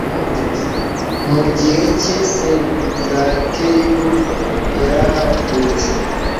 mu gihe cye, senakeribu yarahagurutse